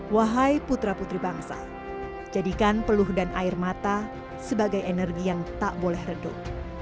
wahai putra putri bangsa jadikan peluh dan air mata sebagai energi yang tak boleh redup